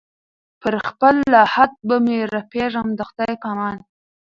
پر خپل لحد به مي رپېږمه د خدای په امان